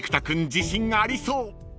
自信ありそう］